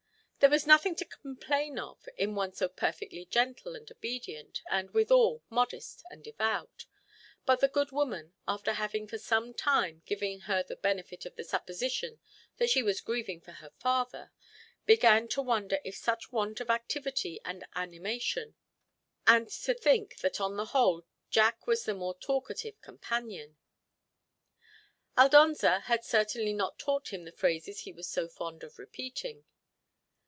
There was nothing to complain of in one so perfectly gentle and obedient, and withal, modest and devout; but the good woman, after having for some time given her the benefit of the supposition that she was grieving for her father, began to wonder at such want of activity and animation, and to think that on the whole Jack was the more talkative companion. Aldonza had certainly not taught him the phrases he was so fond of repeating.